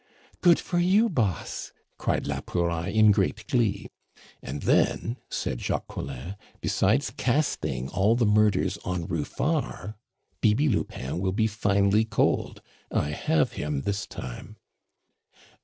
"Good for you, boss!" cried la Pouraille in great glee. "And then," said Jacques Collin, "besides casting all the murders on Ruffard Bibi Lupin will be finely cold. I have him this time."